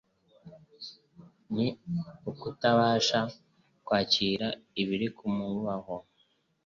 ni ukutabasha kwakira ibiri kumubaho